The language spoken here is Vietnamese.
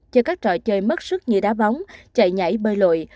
cho các trò chơi mất sức như đá bóng chạy nhảy bơi lội